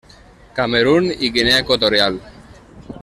Camerun i Guinea Equatorial.